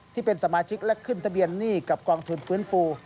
ที่เป็นสมาชิกและขึ้นทะเบียนหนี้กับกองทุนฟื้นฟู